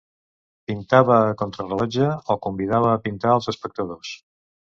Pintava a contrarellotge o convidava a pintar als espectadors.